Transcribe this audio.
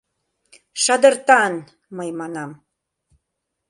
— «Шадыртан!» — мый манам.